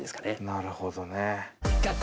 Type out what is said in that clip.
なるほどね。